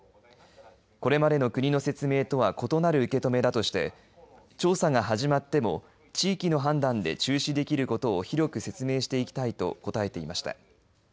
これまでの国の説明とは異なる受け止めだとして調査が始まっても地域の判断で中止できることを広く説明していきたいと答えていました。